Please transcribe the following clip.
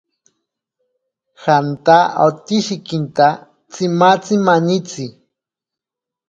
Janta otsishikinta tsimatzi manitsi.